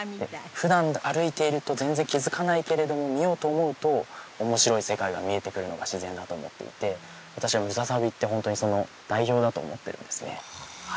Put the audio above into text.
普段歩いていると全然気づかないけれども見ようと思うと面白い世界が見えてくるのが自然だと思っていて私はムササビってホントにその代表だと思ってるんですね